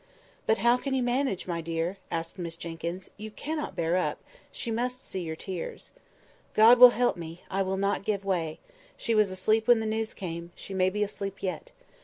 "But how can you manage, my dear?" asked Miss Jenkyns; "you cannot bear up, she must see your tears." "God will help me—I will not give way—she was asleep when the news came; she may be asleep yet.